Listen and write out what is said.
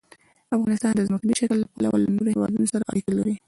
افغانستان د ځمکني شکل له پلوه له نورو هېوادونو سره اړیکې لري.